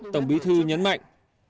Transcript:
tổng bí thư nhấn mạnh